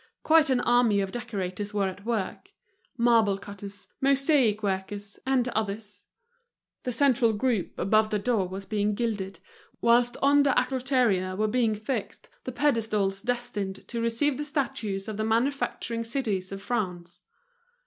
Quite an army of decorators were at work: marble cutters, mosaic workers, and others. The central group above the door was being gilded; whilst on the acroteria were being fixed the pedestals destined to receive the statues of the manufacturing cities of France.